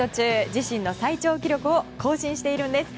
自身の最長記録を更新しているんです。